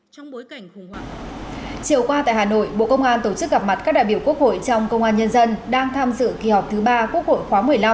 trong bối cảnh chiều qua tại hà nội bộ công an tổ chức gặp mặt các đại biểu quốc hội trong công an nhân dân đang tham dự kỳ họp thứ ba quốc hội khóa một mươi năm